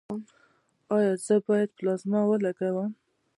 ایا زه باید پلازما ولګوم؟